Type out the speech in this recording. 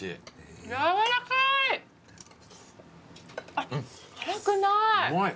あっ辛くない。